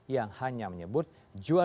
yang hanya mengalir pada juliari